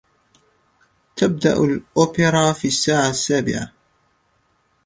تبدأ الأوبرا في الساعة السابعة.